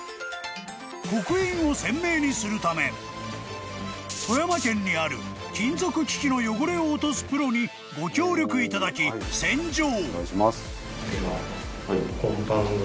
［刻印を鮮明にするため富山県にある金属機器の汚れを落とすプロにご協力いただき洗浄］